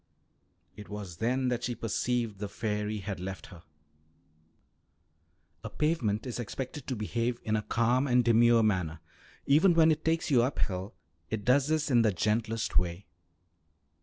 It was then that she perceived the fairy had left her. A pavement is expected to behave in a calm and demure manner; even when it takes you up hill it does this in the gentlest way.